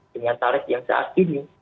dengan tarif yang saat ini